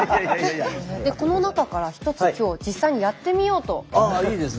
この中から１つ今日実際にやってみようと思います。